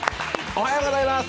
おはようございます。